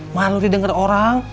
malu didengar orang